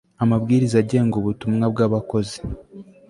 amabwiriza agenga ubutumwa bw abakozi